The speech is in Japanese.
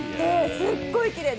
すっごいきれいで！